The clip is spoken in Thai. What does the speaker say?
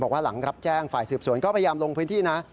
หลังรับแจ้งฝ่ายสืบสวนก็พยายามลงพื้นที่นะ